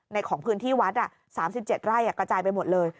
ของพื้นที่วัด๓๗ไร่กระจายไปหมดเลย